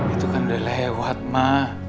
itu kan udah lewat mah